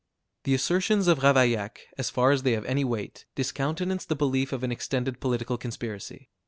The assertions of Ravaillac, as far as they have any weight, discountenance the belief of an extended political conspiracy.